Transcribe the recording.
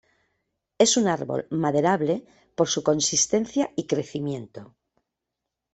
Es un árbol maderable por su consistencia y crecimiento.